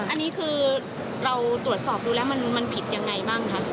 อันนี้คือเราตรวจสอบดูแล้วมันผิดยังไงบ้างคะ